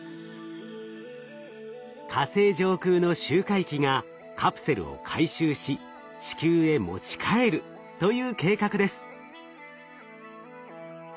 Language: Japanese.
火星上空の周回機がカプセルを回収し地球へ持ち帰るという計画です。